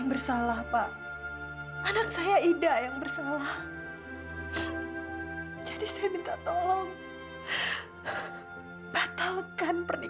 dosa dosa kita belum tentu terampuni